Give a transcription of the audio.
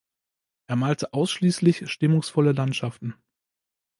Er malte ausschließlich stimmungsvolle Landschaften.